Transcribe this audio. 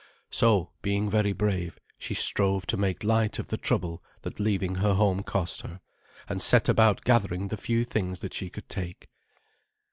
So, being very brave, she strove to make light of the trouble that leaving her home cost her, and set about gathering the few things that she could take.